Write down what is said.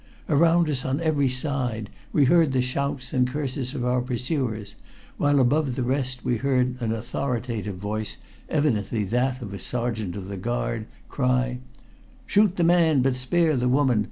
Around us on every side we heard the shouts and curses of our pursuers, while above the rest we heard an authoritative voice, evidently that of a sergeant of the guard, cry "Shoot the man, but spare the woman!